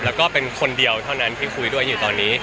แล้วก็เป็นคนเดียวเท่านั้นที่คุยด้วยอยู่ตอนนี้